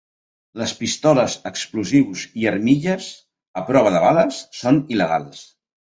Les pistoles, explosius i armilles a prova de bales són il·legals.